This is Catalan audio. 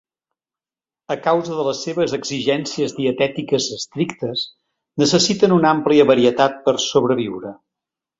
A causa de les seves exigències dietètiques estrictes, necessiten una àmplia varietat per sobreviure.